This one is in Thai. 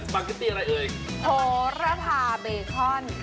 สปาเก็ตตี้อะไรเปล่าโทรภาเบคอน